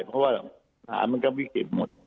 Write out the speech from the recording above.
เพราะว่าฐานมันก็วิกฤตหมด